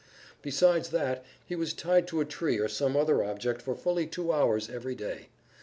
Besides that he was tied to a tree or some other object for fully two hours every day.